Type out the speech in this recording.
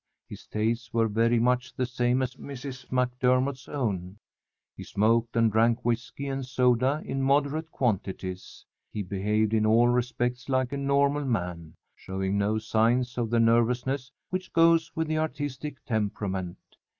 His tastes were very much the same as Mrs. MacDermott's own. He smoked, and drank whisky and soda in moderate quantities. He behaved in all respects like a normal man, showing no signs of the nervousness which goes with the artistic temperament.